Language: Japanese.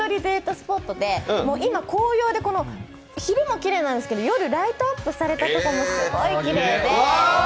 スポットで今、紅葉で昼もきれいなんですけど夜ライトアップされたところもすごいきれいで。